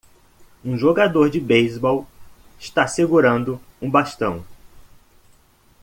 Um jogador de beisebol está segurando um bastão.